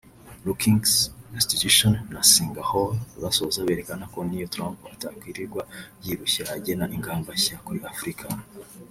Brookings Institution na Sangahowa basoza berekana ko n’iyo Trump atakwirirwa yirushya agena ingamba nshya kuri Afurika